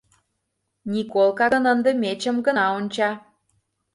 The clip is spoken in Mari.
Николка гын, ынде мечым гына онча.